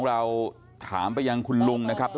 พี่สาวอายุ๗ขวบก็ดูแลน้องดีเหลือเกิน